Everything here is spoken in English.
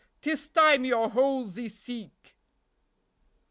'Tis time your holes ye seek.